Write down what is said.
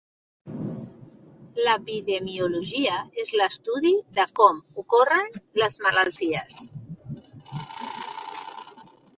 L'epidemiologia és l'estudi de com ocorren les malalties.